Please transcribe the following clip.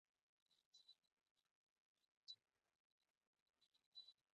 El lema fue colocado en la cúpula del pabellón.